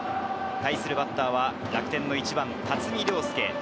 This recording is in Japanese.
バッターは楽天の１番・辰己涼介。